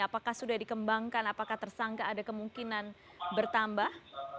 apakah sudah dikembangkan apakah tersangka ada kemungkinan bertambah